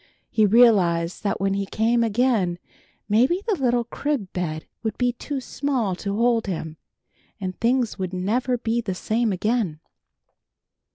He realized that when he came again maybe the little crib bed would be too small to hold him, and things would never be the same again.